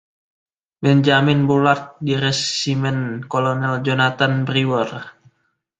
Benjamin Bullard di resimen Kolonel Jonathan Brewer.